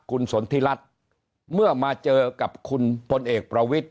คุณสนทิรัฐเมื่อมาเจอกับคุณพลเอกประวิทธิ